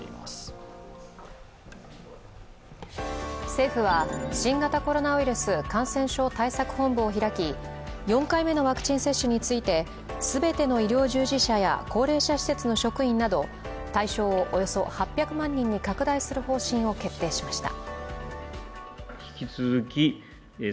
政府は新型コロナウイルス感染症対策本部を開き４回目のワクチン接種について全ての医療従事者や高齢者施設の職員など対象をおよそ８００万人に拡大する方針を決定しました。